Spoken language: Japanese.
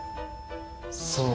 そう。